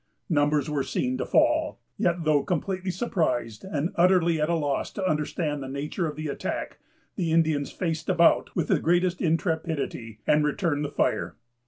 Numbers were seen to fall; yet though completely surprised, and utterly at a loss to understand the nature of the attack, the Indians faced about with the greatest intrepidity, and returned the fire.